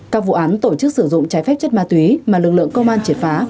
các vụ án tổ chức sử dụng trái phép chất ma túy mà lực lượng công an triệt phá